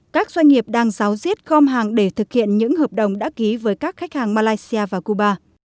các doanh nghiệp đang giáo diết gom hàng để thực hiện những hợp đồng đã ký với các khách hàng malaysia và cuba